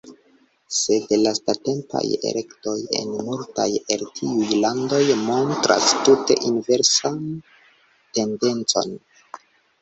Sed lastatempaj elektoj en multaj el tiuj landoj montras tute inversan tendencon.